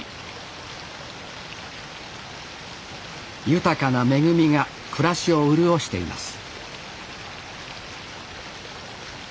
豊かな恵みが暮らしを潤しています